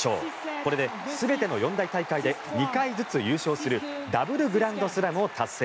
これで全ての四大大会で２回ずつ優勝するダブルグランドスラムを達成。